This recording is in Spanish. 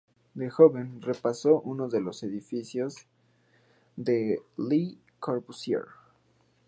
De joven, repasó uno a uno los edificios de Le Corbusier.